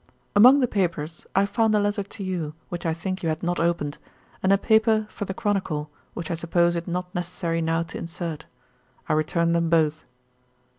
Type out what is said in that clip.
'Among the papers, I found a letter to you, which I think you had not opened; and a paper for The Chronicle, which I suppose it not necessary now to insert. I return them both.